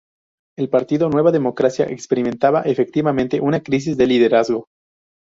El partido Nueva Democracia experimentaba efectivamente una crisis de liderazgo.